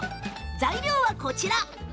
材料は、こちら。